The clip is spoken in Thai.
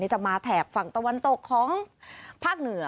จะมาแถบฝั่งตะวันตกของภาคเหนือ